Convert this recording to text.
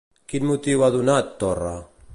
Quin motiu ha donat, Torra?